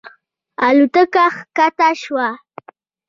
الوتکه ښکته شوه.